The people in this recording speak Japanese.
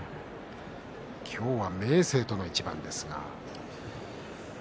今日は明生との一番です。